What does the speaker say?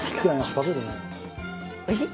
おいしい？